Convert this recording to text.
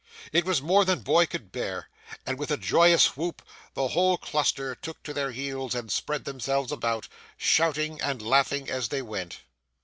It was more than boy could bear, and with a joyous whoop the whole cluster took to their heels and spread themselves about, shouting and laughing as they went.